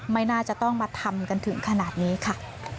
ไม่น่าจะต้องมาทำกันถึงขนาดนี้ค่ะ